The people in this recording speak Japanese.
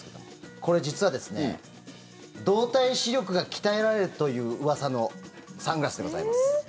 これ実は、動体視力が鍛えられるといううわさのサングラスでございます。